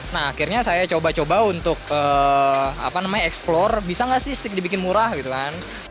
nah akhirnya saya coba coba untuk eksplor bisa nggak sih stick dibikin murah gitu kan